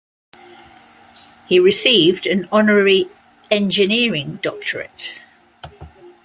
He received an honorary Eng.D.